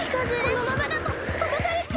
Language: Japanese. このままだととばされちゃう！